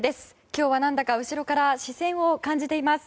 今日は何だか後ろから視線を感じています。